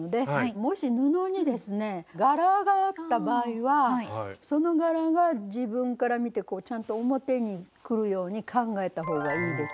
もし布にですね柄があった場合はその柄が自分から見てちゃんと表にくるように考えた方がいいです